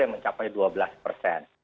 yang mencapai dua belas persen